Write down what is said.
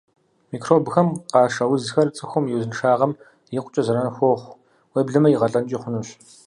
Микробхэм къашэ узхэр цӀыхум и узыншагъэм икъукӀэ зэран хуохъу, уеблэмэ игъэлӀэнкӀи хъунущ.